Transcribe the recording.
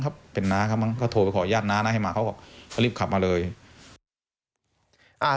เขาก็รีบขับขนาดนี้เรียกมาเลย๒คัน